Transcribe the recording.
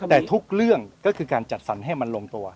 แต่ทุกเรื่องก็คือการจัดสรรให้มันลงตัว